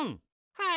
はい。